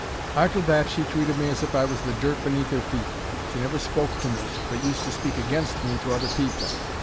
Arter that she treated me as if I was the dirt beneath 'er feet. She never spoke to me, but used to speak against me to other people.